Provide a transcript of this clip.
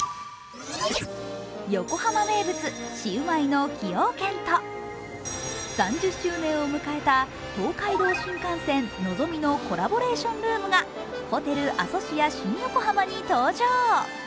横浜名物シウマイの崎陽軒と３０周年を迎えた東海道新幹線のぞみのコラボレーションルームがホテルアソシア新横浜に登場。